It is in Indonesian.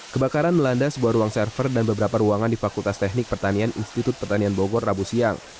kebakaran melanda sebuah ruang server dan beberapa ruangan di fakultas teknik pertanian institut pertanian bogor rabu siang